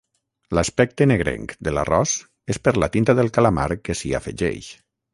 L'aspecte negrenc de l'arròs és per la tinta del calamar que s'hi afegeix.